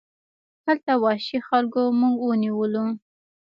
هلته وحشي خلکو موږ ونیولو.